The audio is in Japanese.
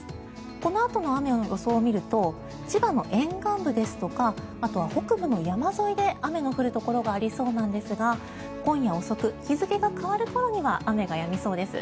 このあとの雨の予想を見ると千葉の沿岸部ですとかあとは北部の山沿いで雨の降るところがありそうなんですが今夜遅く、日付が変わる頃には雨がやみそうです。